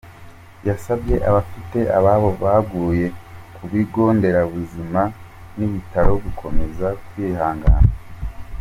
Yasabye abafite ababo baguye ku bigo nderabuzima n’ibitaro gukomeza kwihangana.